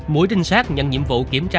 mũi trinh sát nhận nhiệm vụ kiểm tra